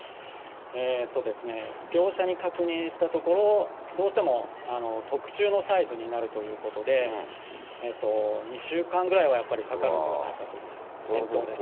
業者に確認したところ、どうしても特注のサイズになるということで、２週間ぐらいはやっぱりかかるのではないかという返答でした。